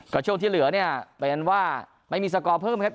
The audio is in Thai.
ก็ช่วงที่เหลือเนี่ยเป็นว่าไม่มีสกอร์เพิ่มครับ